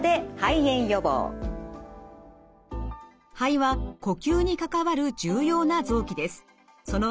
肺は呼吸に関わる重要な臓器です。